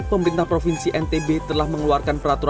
pemerintah provinsi ntb telah mengeluarkan peraturan